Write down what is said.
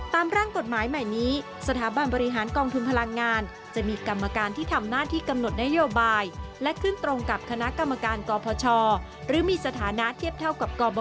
ตามร่างกฎหมายใหม่นี้สถาบันบริหารกองทุนพลังงานจะมีกรรมการที่ทำหน้าที่กำหนดนโยบายและขึ้นตรงกับคณะกรรมการกพชหรือมีสถานะเทียบเท่ากับกบ